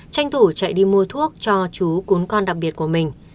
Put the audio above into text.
tranh thủ chạy đi mua thuốc cho chú cuốn con đặc biệt của mình